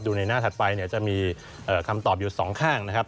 ในหน้าถัดไปเนี่ยจะมีคำตอบอยู่สองข้างนะครับ